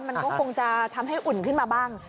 มันก็คงจะทำให้อุ่นขึ้นมาบ้าง